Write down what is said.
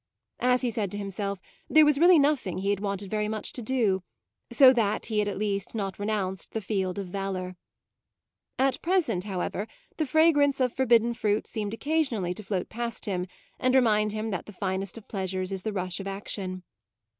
As he said to himself, there was really nothing he had wanted very much to do, so that he had at least not renounced the field of valour. At present, however, the fragrance of forbidden fruit seemed occasionally to float past him and remind him that the finest of pleasures is the rush of action.